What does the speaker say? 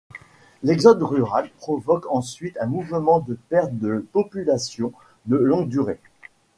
L’exode rural provoque ensuite un mouvement de perte de population de longue durée.